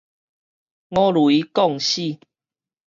五雷摃死